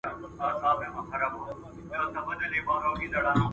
پرځان به يوه ټوکه مسخره به مي کوله